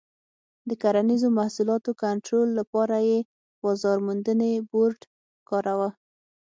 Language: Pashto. د کرنیزو محصولاتو کنټرول لپاره یې بازار موندنې بورډ کاراوه.